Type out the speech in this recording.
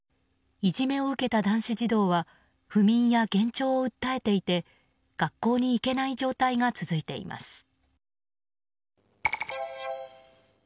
いじめを受けた男子児童は不眠や幻聴を訴えていて学校にいけない状態が続いています。